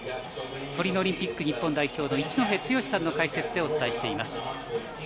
トリノオリンピック日本代表の一戸剛さんの解説でお伝えしています。